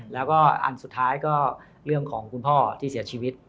แล้วก็อันสุดท้ายก็เรื่องของคุณพ่อที่เสียชีวิต